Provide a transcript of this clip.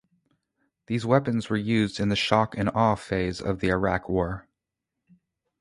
These weapons were used in the "shock and awe" phase of the Iraq War.